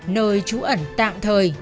nơi trú ẩn tạm thời